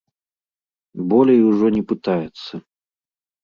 Болей ужо не пытаецца.